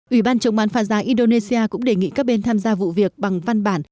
ủy ban chống bán phá giá indonesia cũng đề nghị các bên tham gia vụ việc bằng văn bản